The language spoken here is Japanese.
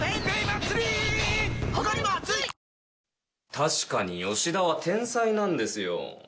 確かに吉田は天才なんですよ。